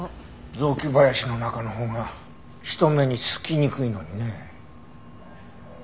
雑木林の中のほうが人目につきにくいのにね。